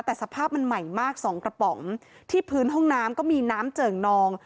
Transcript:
แต่สภาพมันใหม่มากสองกระป๋องที่พื้นห้องน้ำก็มีน้ำเจิ่งนอง